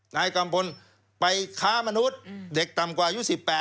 นายกัมพลไปค้ามนุษย์เด็กต่ำกว่าอายุ๑๘